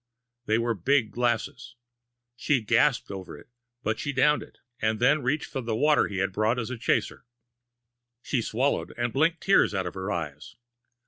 They were big glasses. She gasped over it, but she downed it, then reached for the water he had brought as a chaser. She swallowed, and blinked tears out of her eyes.